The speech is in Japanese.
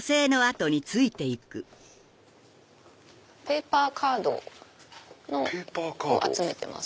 ペーパーカードを集めてます。